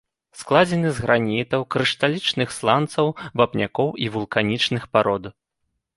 Складзены з гранітаў, крышталічных сланцаў, вапнякоў і вулканічных парод.